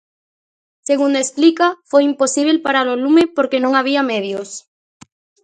Segundo explica, foi imposíbel parar o lume porque non había medios.